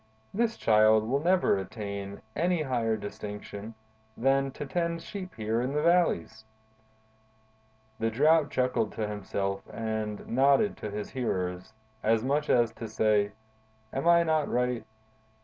This Child will never attain any higher distinction than to tend sheep here in the valleys.'" The Drought chuckled to himself and nodded to his hearers, as much as to say: "Am I not right?